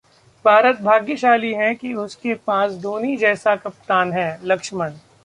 भारत भाग्यशाली है कि उसके पास धोनी जैसा कप्तान है: लक्ष्मण